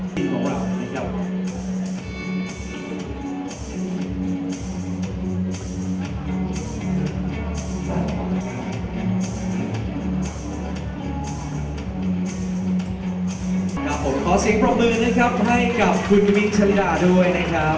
ขอเสียงพร้อมมือให้กับคุณคุณวิทย์ชริดาด้วยนะครับ